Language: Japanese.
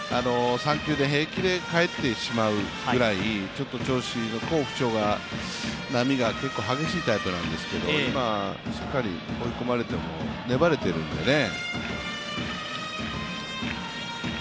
３球で平気で帰ってしまうぐらい調子の好不調が波が結構激しいタイプなんですけれども、今はしっかり追い込まれても粘れてるんでね。